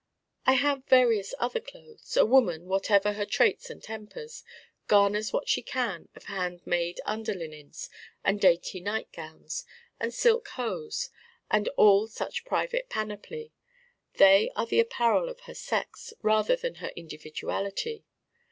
I have various other clothes. A woman whatever her traits and tempers garners what she can of handmade under linens and dainty nightgowns and silk hose and all such private panoply. They are the apparel of her sex rather than her individuality.